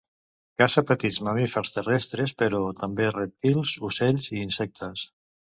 Caça petits mamífers terrestres, però també rèptils, ocells i insectes.